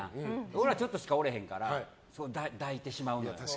俺ら、ちょっとしかおれへんから抱いてしまうのよ。